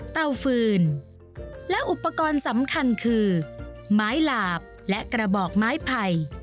ฟืนและอุปกรณ์สำคัญคือไม้หลาบและกระบอกไม้ไผ่